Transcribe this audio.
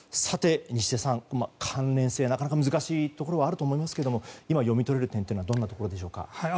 西出さん、関連性はなかなか難しいところはあると思いますが今、読み取れる点はどんなところでしょうか。